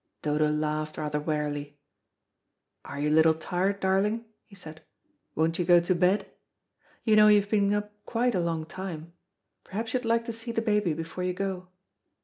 Dodo laughed rather wearily. "Are you a little tired, darling?" he said. "Won't you go to bed? You know you've been up quite a long time. Perhaps you'd like to see the baby before you go."